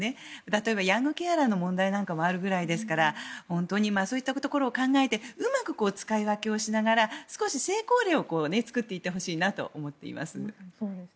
例えば、ヤングケアラーの問題もあるぐらいですから本当にそういったところを考えてうまく使い分けをしながら少し成功例を作っていってほしいと思います。